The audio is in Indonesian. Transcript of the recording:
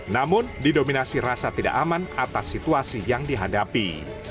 namun didominasi rasa tidak aman atas situasi yang dihadapi